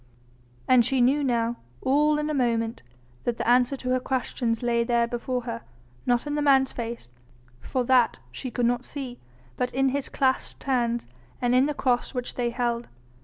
And she knew now all in a moment that the answer to her questions lay there before her, not in the man's face, for that she could not see, but in his clasped hands and in the cross which they held.